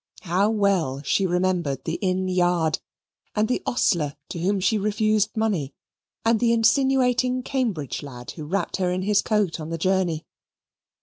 How well she remembered the Inn Yard, and the ostler to whom she refused money, and the insinuating Cambridge lad who wrapped her in his coat on the journey!